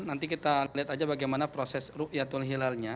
nanti kita lihat aja bagaimana proses ru'yatul hilalnya